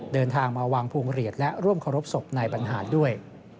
เดินทางมาวางพวงหลีดและร่วมเคารพศพนายบรรหารด้วย